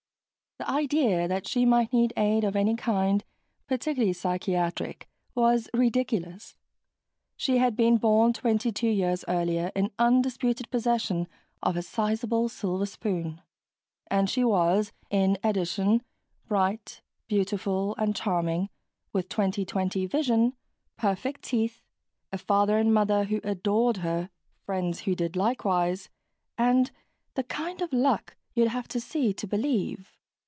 The idea that she might need aid of any kind, particularly psychiatric, was ridiculous. She had been born twenty two years earlier in undisputed possession of a sizable silver spoon and she was, in addition, bright, beautiful, and charming, with 20/20 vision, perfect teeth, a father and mother who adored her, friends who did likewise ... and the kind of luck you'd have to see to believe.